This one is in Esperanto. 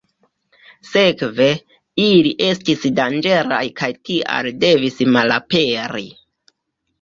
Sekve, ili estis danĝeraj kaj tial devis malaperi.